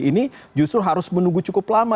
ini justru harus menunggu cukup lama